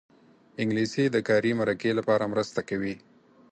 انګلیسي د کاري مرکې لپاره مرسته کوي